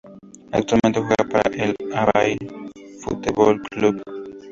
Actualmente juega para el Avaí Futebol Clube.